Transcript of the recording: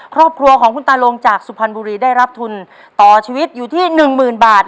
ครอบครัวของคุณตาลงจากสุพรรณบุรีได้รับทุนต่อชีวิตอยู่ที่หนึ่งหมื่นบาท